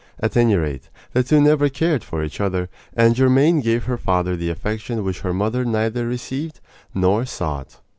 At any rate, the two never cared for each other, and Germaine gave to her father the affection which her mother neither received nor sought.